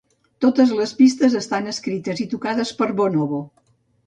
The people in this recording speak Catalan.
Totes les pistes estan escrites i tocades per Bonobo.